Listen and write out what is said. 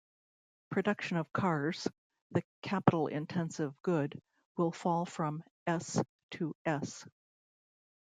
Production of cars, the capital-intensive good, will fall from "S" to "S".